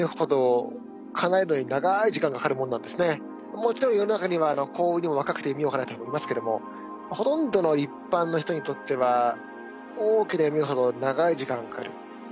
もちろん世の中には幸運にも若くて夢をかなえてる子もいますけどもほとんどの一般の人にとっては大きな夢ほど長い時間がかかる。